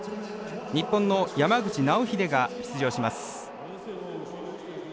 日本の山口尚秀が出場します。